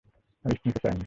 Risk নিতে চাই নি।